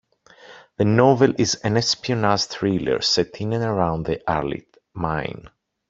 The novel is an espionage thriller set in and around the Arlit mine.